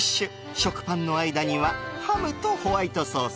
食パンの間にはハムとホワイトソース。